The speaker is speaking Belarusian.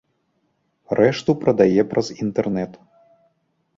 Рэшту прадае праз інтэрнэт.